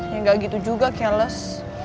ya gak gitu juga keles